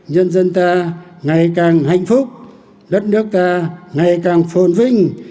nhân dân ta ngày càng hạnh phúc đất nước ta ngày càng phồn vinh